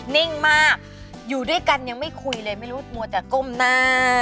นิ่งมากอยู่ด้วยกันยังไม่คุยเลยไม่รู้มัวแต่ก้มหน้า